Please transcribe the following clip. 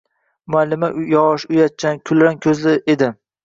Muallima yosh, uyatchan, kulrang koʻzli edi.